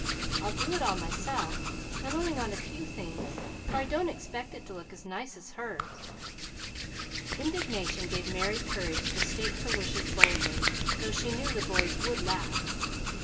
I'll do it all myself, and only want a few things, for I don't expect it to look as nice as hers." Indignation gave Merry courage to state her wishes boldly, though she knew the boys would laugh.